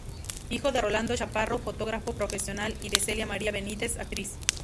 Hijo de Rolando Chaparro, fotógrafo profesional, y de Celia María Benítez, actriz.